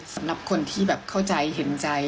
สำหรับคนที่แบบเข้าใจเห็นใจ